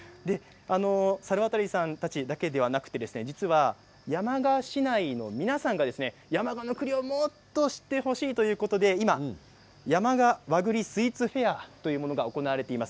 猿渡さんたちだけでなく実は山鹿市内の皆さんが山鹿の栗をもっと知ってほしいということで今、山鹿和栗スイーツフェアというものが行われています。